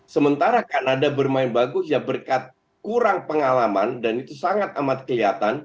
sementara kanada bermain bagus ya berkat kurang pengalaman dan itu sangat amat kelihatan